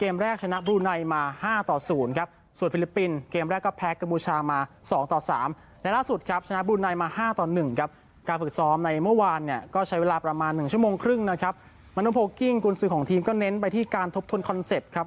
มนุมโพลกิ้งกลุ่มสื่อของทีมก็เน้นไปที่การทบทนคอนเซ็ปต์ครับ